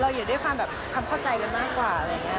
เราอยู่ด้วยความคำเข้าใจกันมากกว่า